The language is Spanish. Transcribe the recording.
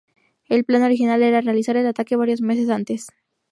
El plan original era realizar el ataque varios meses antes.